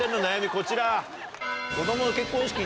こちら。